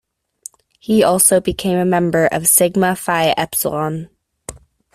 He also became a member of Sigma Phi Epsilon.